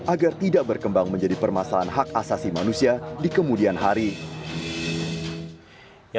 agar tidak berkembang menjadi permasalahan hak asasi manusia di kemudian hari